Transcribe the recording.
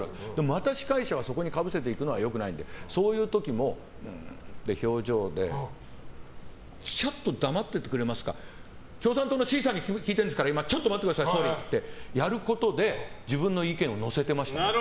また司会者がそこにかぶせていくのはよくないのでそういう時も表情でちょっと黙っててくれますか共産党の方に聞いてるから総理ちょっと待ってくださいってやることで自分の意見を乗せてました。